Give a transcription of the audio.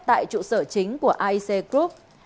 tại trụ sở chính của aec group